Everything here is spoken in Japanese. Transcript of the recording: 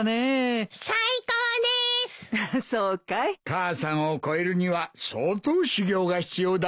母さんを超えるには相当修業が必要だぞ。